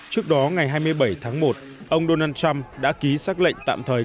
trước đó ngày hai mươi bảy tháng một ông donald trump đã ký xác lệnh tạm thời